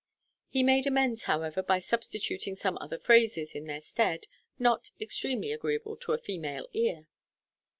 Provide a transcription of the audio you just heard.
He made amends, however, by substituting some other phrases in their stead, not extremely agreeable to a female ear.